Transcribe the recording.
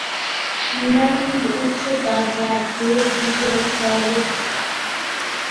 মিনারটির উচ্চতা যা গ্রেট ব্রিটেনে সর্বোচ্চ।